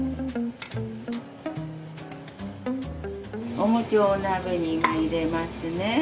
お餅をお鍋に入れますね。